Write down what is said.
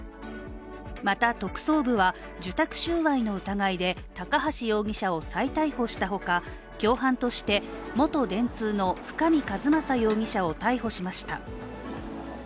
また、特捜部は受託収賄の疑いで高橋容疑者を再逮捕したほか共犯として元電通の深見和政容疑者を逮捕しました。